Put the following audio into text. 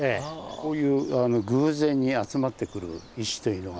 こういう偶然に集まってくる石というのが。